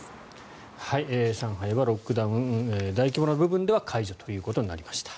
上海はロックダウン大規模な部分では解除ということになりました。